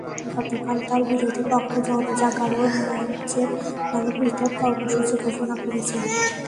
গতকাল তাঁর বিরোধী পক্ষ গণজাগরণ মঞ্চের নামে পৃথক কর্মসূচি ঘোষণা করেছে।